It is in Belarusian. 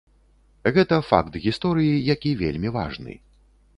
Гэта факт гісторыі, які вельмі важны.